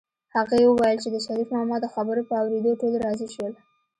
هغې وویل چې د شريف ماما د خبرو په اورېدو ټول راضي شول